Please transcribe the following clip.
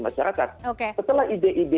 masyarakat setelah ide ide